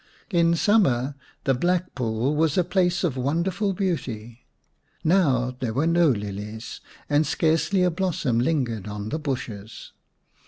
In summer the Black Pool was a place of wonderful beauty ; now there were no lilies, and scarcely a blossom lingered on the bushes.